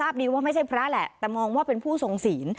ดีว่าไม่ใช่พระแหละแต่มองว่าเป็นผู้ทรงศีล